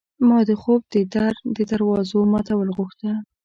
ما د خوب د در د دوازو ماتول غوښته